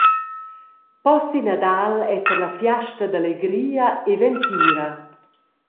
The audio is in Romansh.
Possi Nadal esser la fiasta da legria e ventira.